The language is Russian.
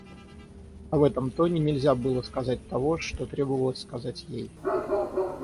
А в этом тоне нельзя было сказать того, что требовалось сказать ей.